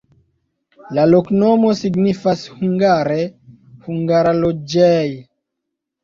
La loknomo signifas hungare: hungara-loĝej'.